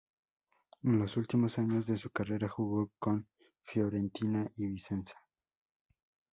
En los últimos años de su carrera jugó con Fiorentina y Vicenza.